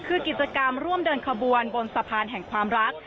คือกิจกรรมร่วมเดินขบวนบนสะพานแห่งความรัก